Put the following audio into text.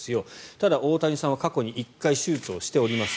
ただ大谷さんは過去に１回手術をしております。